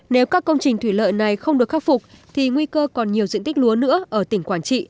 nếu các công trình thủy lợi này không được khắc phục thì nguy cơ còn nhiều diện tích lúa nữa ở tỉnh quảng trị